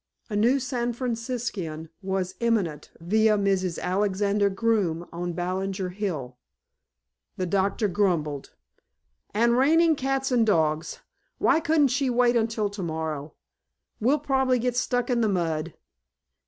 A new San Franciscan was imminent via Mrs. Alexander Groome on Ballinger Hill. The doctor grumbled. "And raining cats and dogs. Why couldn't she wait until tomorrow? We'll probably get stuck in the mud.